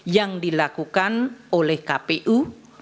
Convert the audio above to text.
yang dilakukan oleh kpu